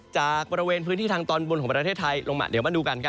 จากบริเวณพื้นที่ทางตอนบนของประเทศไทยลงมาเดี๋ยวมาดูกัน